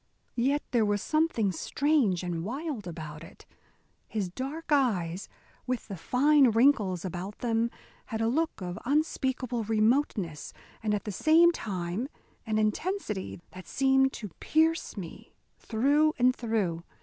Yet there was something strange and wild about it. His dark eyes, with the fine wrinkles about them, had a look of unspeakable remoteness, and at the same time an intensity that seemed to pierce me through and through.